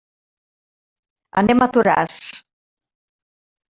Anem a Toràs.